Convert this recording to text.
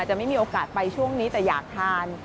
จะไม่มีโอกาสไปช่วงนี้แต่อยากทาน